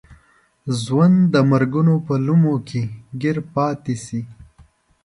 ژوند د مرګونو په لومو کې ګیر پاتې شي.